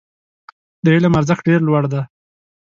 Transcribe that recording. د علم ارزښت ډېر لوړ دی.